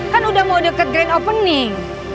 kan udah mau deket grand opening